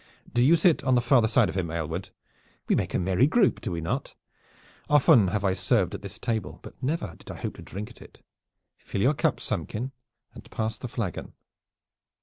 "Do you sit on the farther side of him, Aylward. We make a merry group, do we not? Often have I served at this table, but never did I hope to drink at it. Fill your cup, Samkin, and pass the flagon."